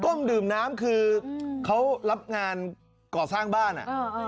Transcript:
้มดื่มน้ำคือเขารับงานก่อสร้างบ้านอ่ะ